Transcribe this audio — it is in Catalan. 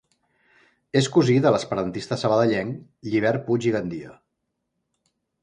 És cosí de l'esperantista sabadellenc Llibert Puig i Gandia.